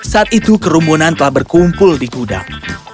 saat itu kerumbunan telah berkumpul di kudam